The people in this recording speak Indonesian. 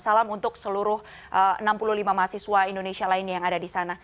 salam untuk seluruh enam puluh lima mahasiswa indonesia lainnya yang ada di sana